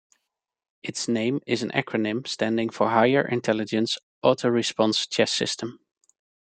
Its name is an acronym standing for "higher intelligence auto-response chess system".